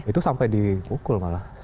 itu sampai di pukul malah